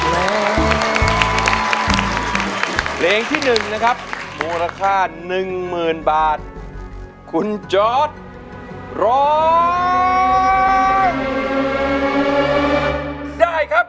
เหลงที่หนึ่งนะครับมูลค่าหนึ่งหมื่นบาทคุณจอร์สรอดได้ครับ